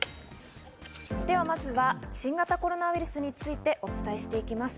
ではまずは新型コロナについてお伝えしていきます。